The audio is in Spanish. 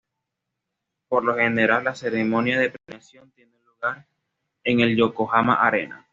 Por lo general, la ceremonia de premiación tiene lugar en el Yokohama Arena.